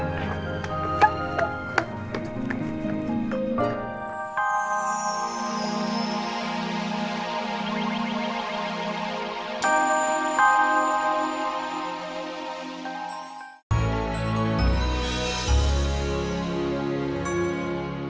yang menghidupkan kulit saya